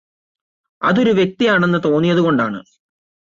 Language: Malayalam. അതൊരു വ്യക്തിയാണെന്ന് തോന്നിയതുകൊണ്ടാണ്